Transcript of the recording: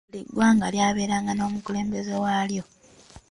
Buli ggwanga ly’abeeranga n’omukulembeze waalyo.